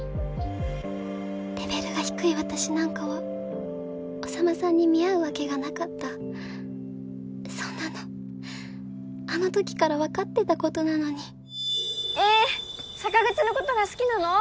レベルが低い私なんかは宰さんに見合うわけがなかったそんなのあのときから分かってたことなのにえ坂口のことが好きなの！？